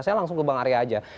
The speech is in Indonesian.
saya langsung ke bang arya aja